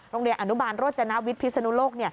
โรงเรียนอนุบาลโรจนาวิทย์พิศนุโลก